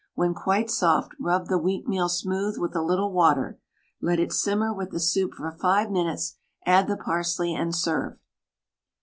When quite soft, rub the wheatmeal smooth with a little water, let it simmer with the soup for 5 minutes, add the parsley, and serve.